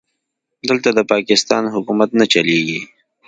دلته د پاکستان حکومت نه چلېږي.